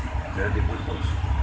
itu sudah diputus